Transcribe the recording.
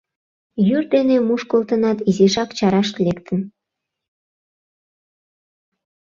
Йӱр дене мушкылтынат, изишак чараш лектын.